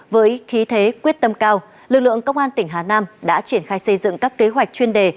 với khí thế quyết tâm cao lực lượng công an tỉnh hà nam đã triển khai xây dựng các kế hoạch chuyên đề